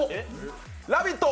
「ラヴィット！